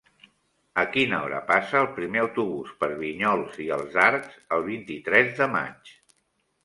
A quina hora passa el primer autobús per Vinyols i els Arcs el vint-i-tres de maig?